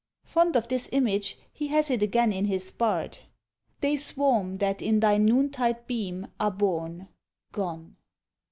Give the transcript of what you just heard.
Fond of this image, he has it again in his "Bard," They SWARM, that in thy NOONTIDE BEAM are born, Gone!